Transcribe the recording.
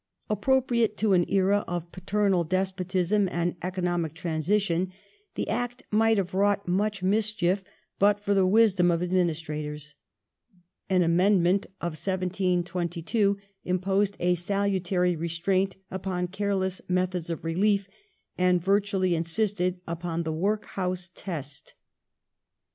Appropriate to an era of paternal despotism and economic transition, the Act might have wrought much mischief but for the wisdom of administrators. An amendment of 1722^ imposed a salutary restraint upon careless methods of relief, and virtually in sisted upon the " Workhouse test